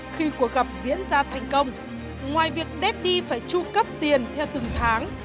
khi cuộc gặp diễn ra thành công ngoài việc daddy phải tru cấp tiền theo từng tháng